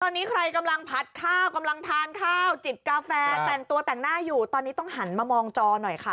ตอนนี้ใครกำลังผัดข้าวกำลังทานข้าวจิบกาแฟแต่งตัวแต่งหน้าอยู่ตอนนี้ต้องหันมามองจอหน่อยค่ะ